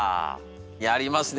やりますね